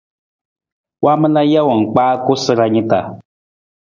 Waamala jawang kpaa koosara ni ta.